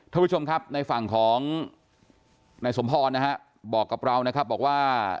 ท่านผู้ชมครับในฝั่งของนายสมพรนะฮะบอกกับเรานะครับบอกว่า